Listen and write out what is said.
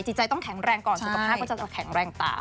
จิตใจต้องแข็งแรงก่อนสุขภาพก็จะแข็งแรงตาม